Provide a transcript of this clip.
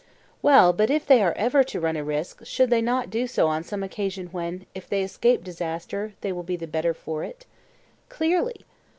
Well, but if they are ever to run a risk should they not do so on some occasion when, if they escape disaster, they will be the better for it? Clearly.